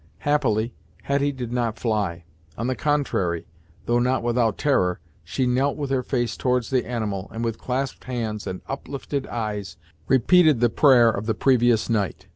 Happily, Hetty did not fly. On the contrary, though not without terror, she knelt with her face towards the animal, and with clasped hands and uplifted eyes, repeated the prayer of the previous night.